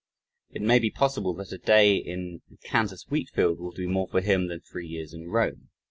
It may be possible that a day in a "Kansas wheat field" will do more for him than three years in Rome.